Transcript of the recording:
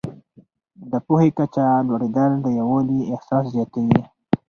د پوهې کچه لوړېدل د یووالي احساس زیاتوي.